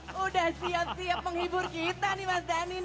sudah siap siap menghibur kita nih mas danin